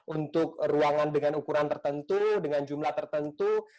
untuk ruangan dengan ukuran tertentu dengan jumlah tertentu